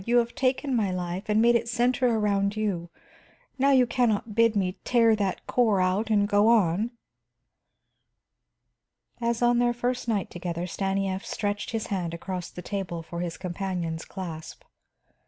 "You have taken my life and made it center around you, now you can not bid me tear that core out and go on." As on their first night together, Stanief stretched his hand across the table for his companion's clasp.